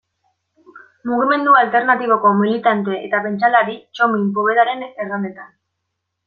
Mugimendu alternatiboko militante eta pentsalari Txomin Povedaren erranetan.